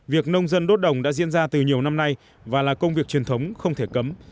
việc nông dân đốt đồng đã diễn ra từ nhiều năm nay và là công việc truyền thống không thể cấm